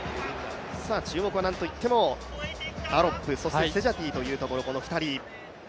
注目は何といってもアロップ、そしてセジャティという２人。